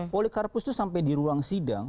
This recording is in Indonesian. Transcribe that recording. polri karpus itu sampai di ruang sidang